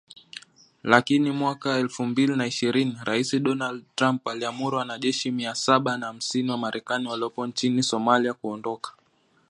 Lakini mwaka elfu mbili na ishirini, Rais Donald Trump aliamuru wanajeshi mia saba na hamsini wa Marekani waliopo nchini Somalia kuondoka.